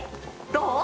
どう？